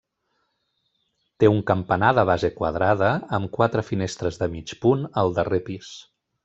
Té un campanar de base quadrada amb quatre finestres de mig punt al darrer pis.